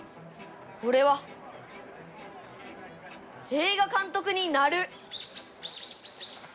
俺は映画監督になる！